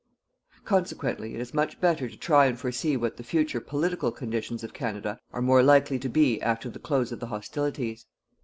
Consequently, it is much better to try and foresee what the future political conditions of Canada are more likely to be after the close of the hostilities.